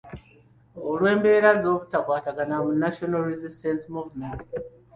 Olw’embeera ey’obutakwatagana mu National Resistance Movement.